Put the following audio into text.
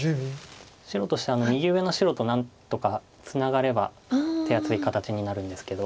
白としては右上の白と何とかツナがれば手厚い形になるんですけど。